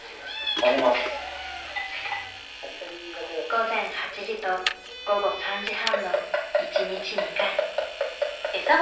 午前８時と午後３時半の一日２回。